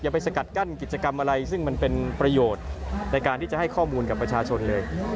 ไปสกัดกั้นกิจกรรมอะไรซึ่งมันเป็นประโยชน์ในการที่จะให้ข้อมูลกับประชาชนเลย